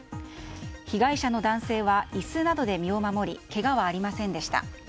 被害者の男性は椅子などで身を守りけがはありませんでした。